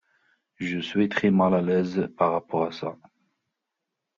Je suis très mal à l'aise par rapport à ça.